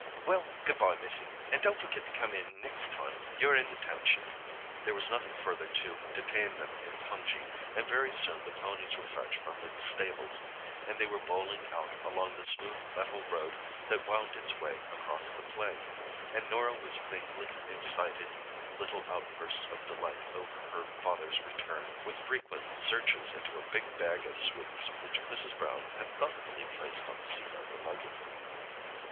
Well, good bye, missy, and don't forget to come in next time you're in the township." There was nothing further to detain them in Cunjee, and very soon the ponies were fetched from the stables, and they were bowling out along the smooth metal road that wound its way across the plain, and Norah was mingling excited little outbursts of delight over her father's return with frequent searches into a big bag of sweets which Mrs. Brown had thoughtfully placed on the seat of the buggy.